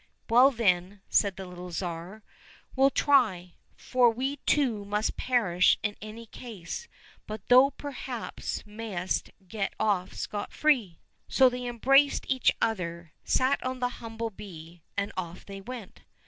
"—' Well, then," said the little Tsar, " we'll try. For we two must perish in any case, but thou perhaps mayst get off scot free." So they embraced each other, sat on the humble bee, and off they went.